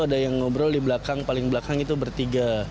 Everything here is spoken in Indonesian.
ada yang ngobrol di belakang paling belakang itu bertiga